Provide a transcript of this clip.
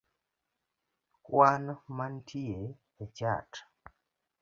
kwan manitie e chat?